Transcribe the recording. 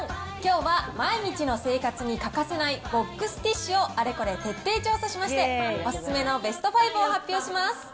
きょうは毎日の生活に欠かせないボックスティッシュをあれこれ徹底調査しまして、お勧めのベスト５を発表します。